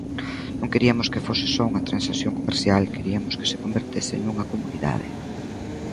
Non queriamos que fose só unha transacción comercial, queriamos que se convertese nunha comunidade.